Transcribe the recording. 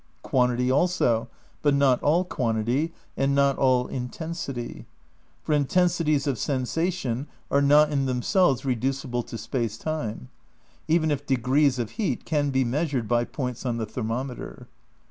Quantity also, but not all quantity, and not all in tensity; for intensities of sensation are not in them selves reducible to Space Time : even if degrees of heat can be measured by points on the thermometer.